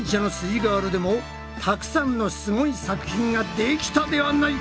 イガールでもたくさんのすごい作品ができたではないか。